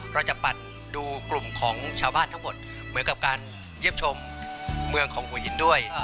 ปั่นดูกลุ่มของชาวบ้านทั้งหมดเหมือนกับการเยี่ยมชมเมืองของหัวหินด้วย